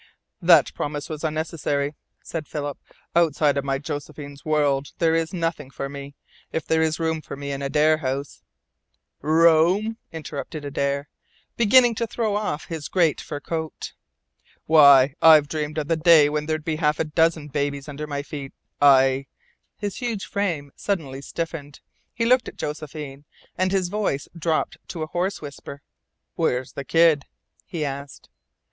"That promise was unnecessary," said Philip. "Outside of my Josephine's world there is nothing for me. If there is room for me in Adare House " "Room!" interrupted Adare, beginning to throw off his great fur coat. "Why, I've dreamed of the day when there'd be half a dozen babies under my feet. I " His huge frame suddenly stiffened. He looked at Josephine, and his voice dropped to a hoarse whisper: "Where's the kid?" he asked.